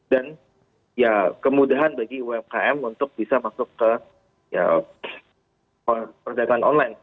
dan ya kemudahan bagi umkm untuk bisa masuk ke perdagangan online